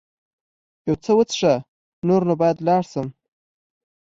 یو څه وڅښه، نور نو باید ولاړ شم.